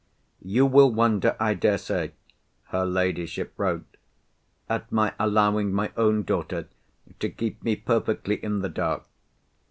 "You will wonder, I dare say" (her ladyship wrote), "at my allowing my own daughter to keep me perfectly in the dark.